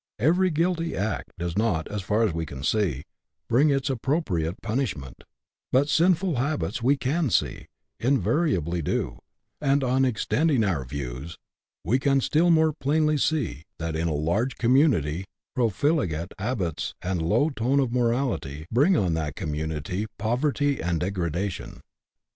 Every guilty act does not, as far as we can see, bring its appropriate punishment, but sinful habits, we can see, invariably do ; and on extending our views, we can still more plainly see that, in a large com munity, profligate habits, and a low tone of morality, bring on that community poverty and degradation.